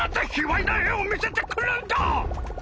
卑わいな絵を見せてくるんだ！